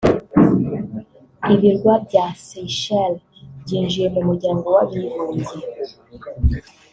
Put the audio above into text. Ibirwa bya Seychelles byinjiye mu muryango w’abibumbye